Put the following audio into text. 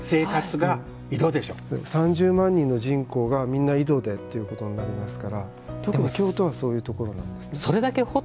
３０万人の人口がみんな、井戸でということになりますから特に京都はそういうところなんです。